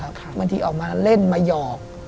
บางทีออกมาเล่นมาหยอก